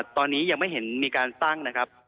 ตอนนี้ยังไม่เห็นมีการตั้งนะครับ